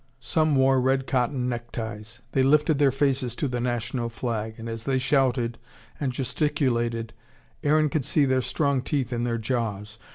Some wore red cotton neck ties. They lifted their faces to the national flag, and as they shouted and gesticulated Aaron could see their strong teeth in their jaws.